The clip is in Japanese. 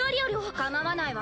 かまわないわ。